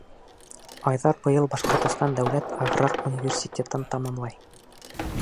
Айҙар быйыл Башҡортостан дәүләт аграр университетын тамамлай.